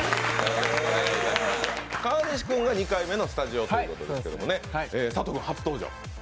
川西君が２回目のスタジオということですが佐藤君、初登場。